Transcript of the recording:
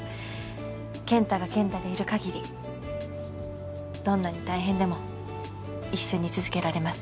健太が健太でいるかぎりどんなに大変でも一緒に続けられます。